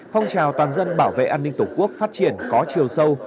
phong trào toàn dân bảo vệ an ninh tổ quốc phát triển có chiều sâu